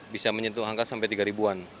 bisa menyentuh angka sampai tiga ribu an